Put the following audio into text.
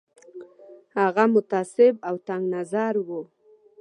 هغه متعصب او تنګ نظر وو.